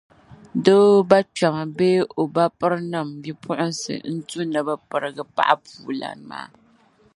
Doo bakpɛma bee o bapirinima bipugiŋsi n-tu ni bɛ pirigi paɣapuulan maa